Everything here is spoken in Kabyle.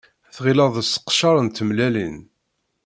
Tɣileḍ d seqcer n tmellalin.